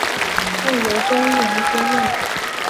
后由周荣接任。